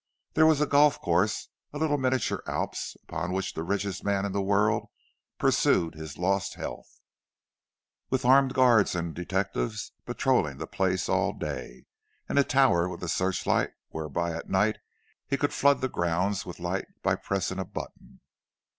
There was a golf course, a little miniature Alps, upon which the richest man in the world pursued his lost health, with armed guards and detectives patrolling the place all day, and a tower with a search light, whereby at night he could flood the grounds with light by pressing a button.